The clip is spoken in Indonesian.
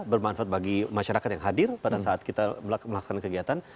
bermanfaat bagi masyarakat yang hadir pada saat kita melaksanakan kegiatan